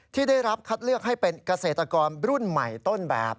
ที่ได้รับคัดเลือกให้เป็นเกษตรกรรุ่นใหม่ต้นแบบ